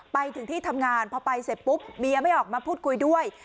ไปถึงที่ทำงานพอไปเสร็จปุ๊บเมียไม่ออกมาพูดคุยด้วย